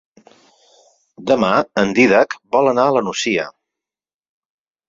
Demà en Dídac vol anar a la Nucia.